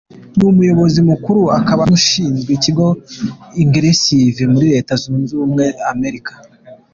Ni umuyobozi mukuru akaba n’uwashinze ikigo Ingressive muri Leta Zunze Ubumwe za Amerika.